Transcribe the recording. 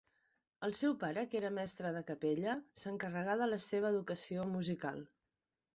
El seu pare que era mestre de capella, s'encarregà de la seva educació musical.